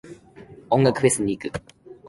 音楽フェス行く。